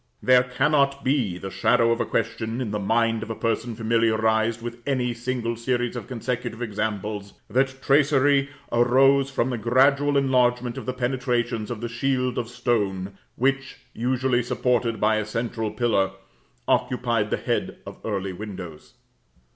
There cannot be the shadow of a question, in the mind of a person familiarised with any single series of consecutive examples, that tracery arose from the gradual enlargement of the penetrations of the shield of stone which, usually supported by a central pillar, occupied the head of early windows.